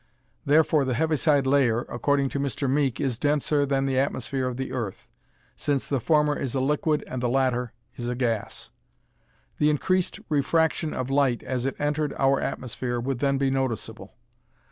Therefore the Heaviside Layer, according to Mr. Meek, is denser than the atmosphere of the earth since the former is a liquid and the latter is a gas. The increased refraction of light as it entered our atmosphere would then be noticeable.